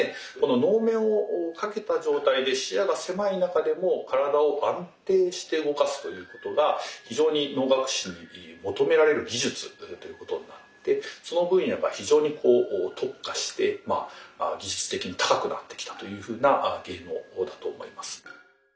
能面をかけた状態で視野が狭い中でも体を安定して動かすということが非常に能楽師に求められる技術ということになるんでその分野が非常に特化して技術的に高くなってきたというふうな芸能だと思います。